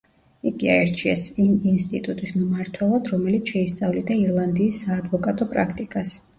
იგი აირჩიეს იმ ინსტიტუტის მმართველად, რომელიც შეისწავლიდა ირლანდიის საადვოკატო პრაქტიკას.